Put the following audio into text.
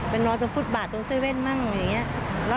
นอนตรงฟุตบาทตรงเซเว่นมั่งอย่างนี้